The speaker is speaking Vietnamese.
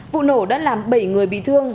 vụ nổ đã làm bảy người bị thương